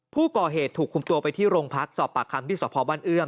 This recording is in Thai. ผู้ก่อเหตุถูกคุมตัวไปที่โรงพักสอบปากคำที่สพบ้านเอื้อง